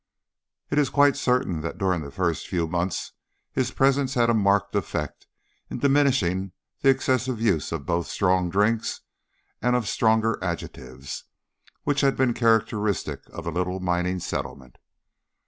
It is quite certain that during the first few months his presence had a marked effect in diminishing the excessive use both of strong drinks and of stronger adjectives which had been characteristic of the little mining settlement.